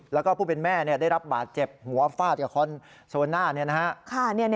แล้วก็ผู้เป็นแม่ได้รับบาดเจ็บหัวฟาดกับคอนโซน่า